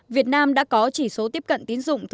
việt nam đã có chỉ số tiếp cận tín dụng thứ hai